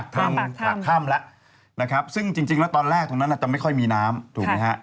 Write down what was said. ทางปากถ้ำแล้วนะครับซึ่งจริงแล้วตอนแรกตรงนั้นอาจจะไม่ค่อยมีน้ำถูกไหมฮะ